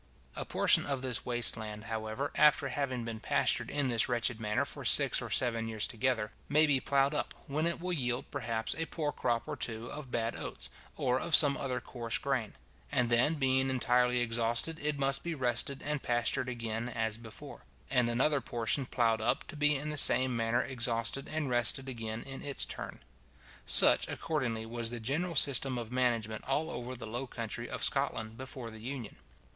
A portion of this waste land, however, after having been pastured in this wretched manner for six or seven years together, may be ploughed up, when it will yield, perhaps, a poor crop or two of bad oats, or of some other coarse grain; and then, being entirely exhausted, it must be rested and pastured again as before, and another portion ploughed up, to be in the same manner exhausted and rested again in its turn. Such, accordingly, was the general system of management all over the low country of Scotland before the Union.